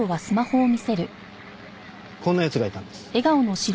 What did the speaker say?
こんな奴がいたんです。